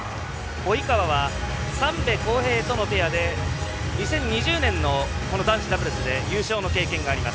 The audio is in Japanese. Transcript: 及川は三部航平とのペアで２０２０年のこの男子ダブルスで優勝の経験があります。